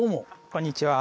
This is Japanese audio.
こんにちは。